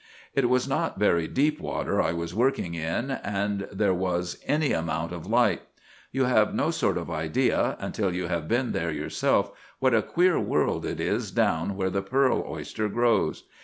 "'It was not very deep water I was working in, and there was any amount of light. You have no sort of idea, until you have been there yourself, what a queer world it is down where the pearl oyster grows.